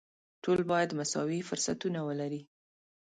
ټول باید مساوي فرصتونه ولري.